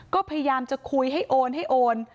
ก็พยายามจะคุยให้โอนให้โอน